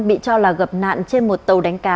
bị cho là gặp nạn trên một tàu đánh cá